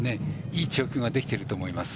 いい調教ができていると思います。